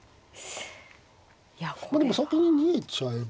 でも先に逃げちゃえば。